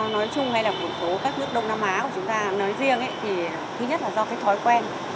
nói chung hay là của các nước đông nam á của chúng ta nói riêng thì thứ nhất là do cái thói quen